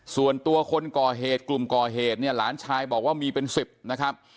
ส่วนตัวคนก่อเหตุกลุ่มก่อเหตุเนี่ยหลานชายบอกว่ามีเป็น๑๐นะครับ